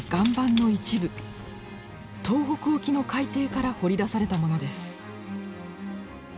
東北沖の海底から掘り出されたものです。